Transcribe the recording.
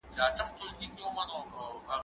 که وخت وي کتابونه لوستم